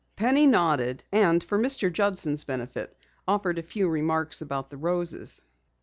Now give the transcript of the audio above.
Penny nodded, and for Mr. Judson's benefit, offered a few remarks about the roses.